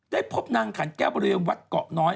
พบนางขันแก้วบริเวณวัดเกาะน้อย